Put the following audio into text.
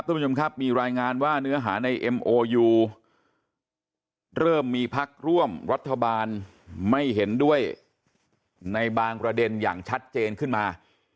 ที่ภักร์ร่วมรัฐบาลไม่เห็นด้วยในบางประเด็นอย่างชัดเจนขึ้นมา